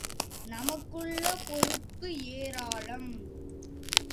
நமக்குள்ள பொறுப்பு ஏராளம்.